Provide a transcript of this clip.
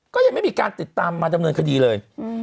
ก็ยังไม่มีการติดตามมาดำเนินคดีเลย